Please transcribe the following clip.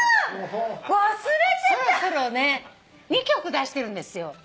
２曲出してるんですよ。